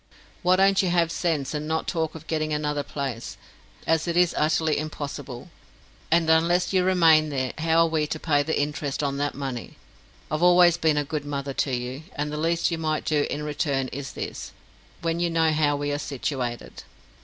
Why don't you have sense and not talk of getting another place, as it is utterly impossible; and unless you remain there, how are we to pay the interest on that money? I've always been a good mother to you, and the least you might do in return is this, when you know how we are situated.